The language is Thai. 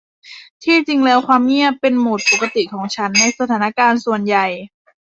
ที่จริงแล้วความเงียบเป็นโหมดปกติของฉันในสถานการณ์ส่วนใหญ่